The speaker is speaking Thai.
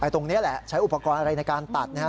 ตรงนี้แหละใช้อุปกรณ์อะไรในการตัดนะฮะ